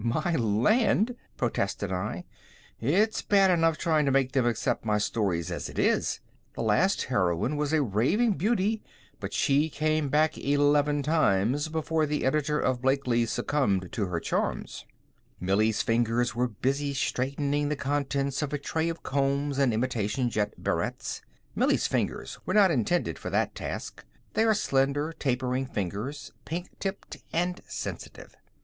"My land!" protested I. "It's bad enough trying to make them accept my stories as it is. That last heroine was a raving beauty, but she came back eleven times before the editor of Blakely's succumbed to her charms." Millie's fingers were busy straightening the contents of a tray of combs and imitation jet barrettes. Millie's fingers were not intended for that task. They are slender, tapering fingers, pink tipped and sensitive.